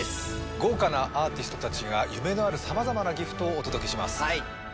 豪華なアーティストたちが夢のあるさまざまなギフトをお届けします。